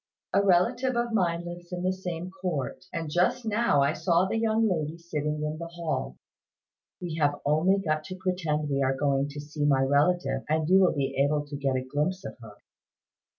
"A relative of mine lives in the same court, and just now I saw the young lady sitting in the hall. We have only got to pretend we are going to see my relative, and you will be able to get a glimpse of her."